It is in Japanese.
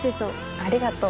ありがとう。